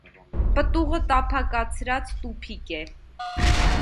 Պտուղը տափակացրած տուփիկ է։